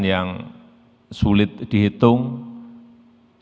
yang sulit dihitungkan